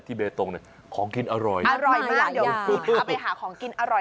ที่เบตงเนี่ยของกินอร่อยมากอร่อยมากเดี๋ยวเอาไปหาของกินอร่อย